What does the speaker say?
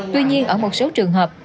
tuy nhiên ở một số trường hợp